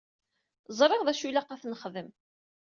Ẓriɣ d acu ilaq ad t-nexdem.